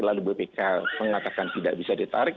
lalu bpk mengatakan tidak bisa ditarik